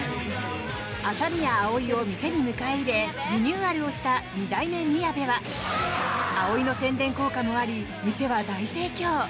麻宮葵を店に迎え入れリニューアルをした二代目みやべは葵の宣伝効果もあり店は大盛況。